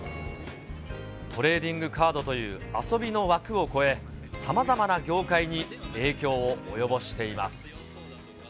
トレーディングカードという遊びの枠を超え、さまざまな業界に影響を及ぼしています。